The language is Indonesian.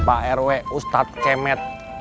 pak rw ustadz kemet